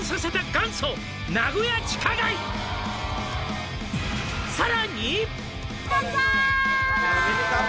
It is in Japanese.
「元祖名古屋地下街」乾杯！